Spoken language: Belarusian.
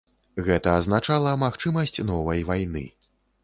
Гэта азначала магчымасць новай вайны.